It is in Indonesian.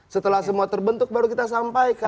setelah semua terbentuk baru kita sampaikan